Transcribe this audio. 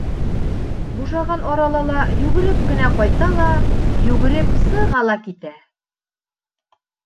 Бушаған арала ла йүгереп кенә ҡайта ла йүгереп сыға ла китә.